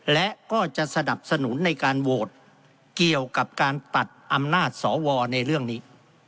และก็จะสนับสนุนในการโหวตเกี่ยวกับการตัดอำนาจสวในเรื่องนี้